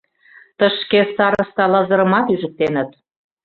Тышке староста Лазырымат ӱжыктеныт.